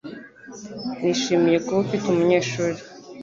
Nishimiye kuba ufite umunyeshuri.